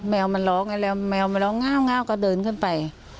แมวมันร้องไงแล้วแมวมันร้องง่าวก็เดินขึ้นไป